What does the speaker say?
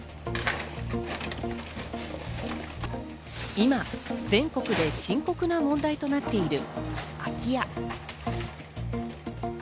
今、全国で深刻な問題となっている空き家。